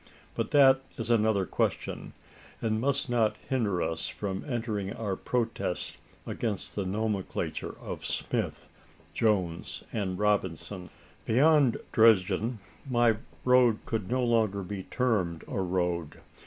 But that is another question, and must not hinder us from entering our protest against the nomenclature of Smith, Jones, and Robinson! Beyond Dresden, my road could no longer be termed a road.